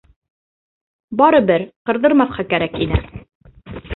— Барыбер ҡырҙырмаҫҡа кәрәк ине.